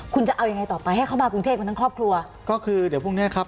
คุณจะเอายังไงต่อไปให้เขามากรุงเทพกันทั้งครอบครัวก็คือเดี๋ยวพรุ่งเนี้ยครับ